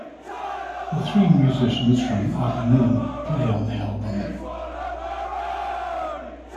The three musicians from Aka Moon play on the album.